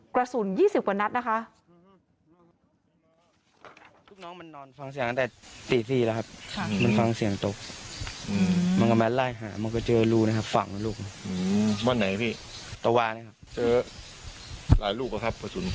กระสุนยี่สิบกว่านัดนะคะ